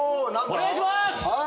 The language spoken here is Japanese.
お願いします。